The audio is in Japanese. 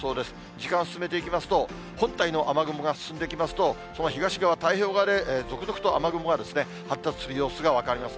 時間進めていきますと、本体の雨雲が進んできますと、その東側、太平洋側で続々と雨雲が発達する様子が分かります。